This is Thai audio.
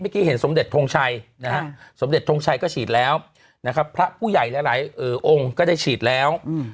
เมื่อกี้เห็นสมเด็จทงชัยสมเด็จทงชัยก็ฉีดแล้วพระผู้ใหญ่หลายองค์ก็ได้ฉีดแล้ว